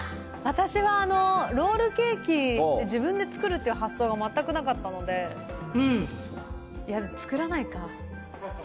私は、ロールケーキ、自分で作るっていう発想が全くなかったので、いや、作らないか。